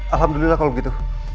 alhamdulillah kalau begitu